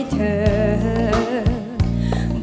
ขอบคุณครับ